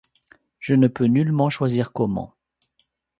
Je ne peux nullement choisir comment.